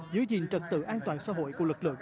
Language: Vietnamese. giữ gìn trật tự an toàn xã hội của lực lượng